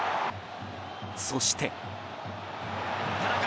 そして。